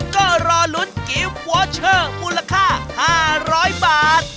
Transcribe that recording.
ก็รอลุ้นกิฟต์วอเชอร์มูลค่า๕๐๐บาท